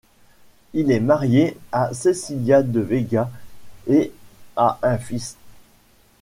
Il est marié à Cecilia de Vega et a un fils.